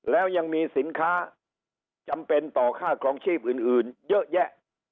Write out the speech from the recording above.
แล้วยังมีสินค้าจำเป็นต่อค่าครองชีพอื่นเยอะแยะ